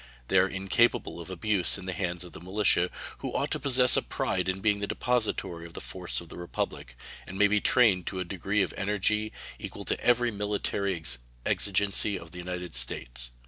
They are incapable of abuse in the hands of the militia, who ought to possess a pride in being the depository of the force of the Republic, and may be trained to a degree of energy equal to every military exigency of the United States.